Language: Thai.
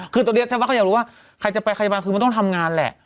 คือตอนนี้ชาวบ้านก็อยากรู้ว่าใครจะไปใครมาคือมันต้องทำงานแหละ